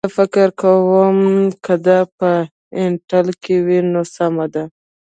زه فکر کوم که دا په انټیل کې وي نو سمه ده